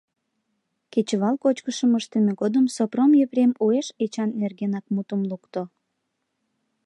Кечывал кочкышым ыштыме годым Сопром Епрем уэш Эчан нергенак мутым лукто.